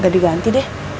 gak diganti deh